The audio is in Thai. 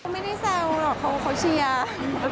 ไม่ได้แซวหรอกเขาเชียร์